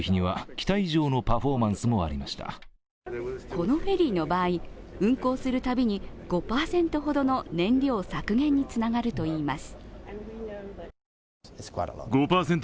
このフェリーの場合運航する度に５％ほどの燃料削減につながるといいます。